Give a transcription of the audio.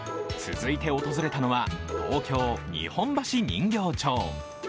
続いて訪れたのは、東京・日本橋人形町。